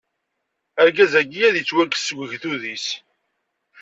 Argaz-agi ad ittwakkes seg ugdud-is.